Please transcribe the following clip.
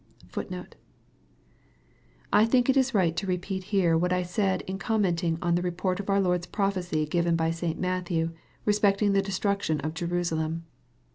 I think it right to repeat here what I said in commenting on the report of our Lord's prophecy given by St. Matthew, respecting the destruction of Jerusalem.